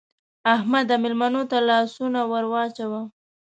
احمده! مېلمنو ته لاسونه ور واچوه.